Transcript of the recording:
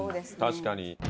確かに。